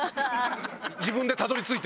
自分でたどり着いて。